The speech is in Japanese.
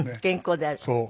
そう。